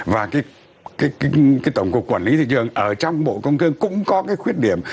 và tổng cục quản lý thị trường ở trong bộ công thương cũng có cái khuyết điểm